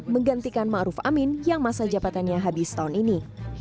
menggantikan ma'ruf amin yang masa jabatannya habis tahun ini